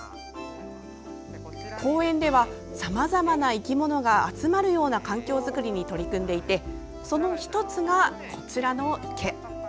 公園ではさまざまな生き物が集まるような環境作りに取り組んでいてその１つが、こちらの池。